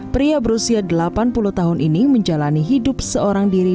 pria berusia delapan puluh tahun ini menjalani hidup seorang diri